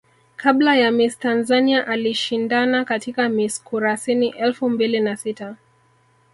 Kabla ya Miss Tanzania alishindana katika Miss Kurasini elfu mbili na sita